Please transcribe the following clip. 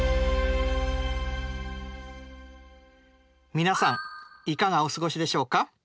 皆さんいかがお過ごしでしょうか？